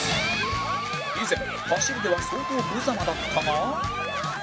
以前走りでは相当無様だったが